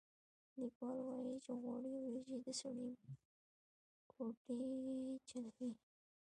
لیکوال وايي چې غوړې وریجې د سړي ګوتې چټلوي.